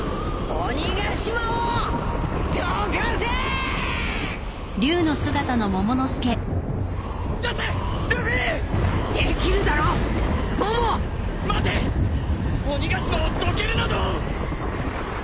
鬼ヶ島をどけるなど。